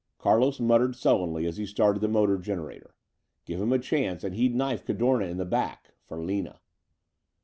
Carlos muttered sullenly as he started the motor generator. Give him a chance and he'd knife Cadorna in the back for Lina.